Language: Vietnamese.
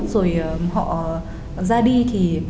rồi họ ra đi thì